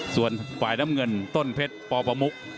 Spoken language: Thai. ส่วนฝ่ายน้ำเงินต้นเพชรปประมุก